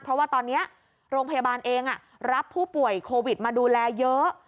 เพราะว่าตอนนี้โรงพยาบาลเองรับผู้ป่วยโควิดมาดูแลเยอะ